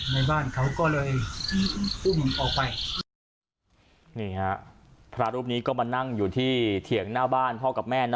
ในบ้านเขาก็เลยอุ้มออกไปนี่ฮะพระรูปนี้ก็มานั่งอยู่ที่เถียงหน้าบ้านพ่อกับแม่นะ